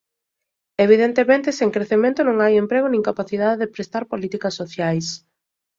Evidentemente, sen crecemento non hai emprego nin capacidade de prestar políticas sociais.